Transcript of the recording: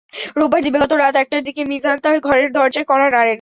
রোববার দিবাগত রাত একটার দিকে মিজান তাঁর ঘরের দরজায় কড়া নাড়েন।